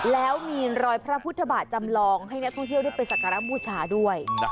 แล้วมีรอยพระพุทธบาทจำลองให้นักท่องเที่ยวได้ไปสักการะบูชาด้วย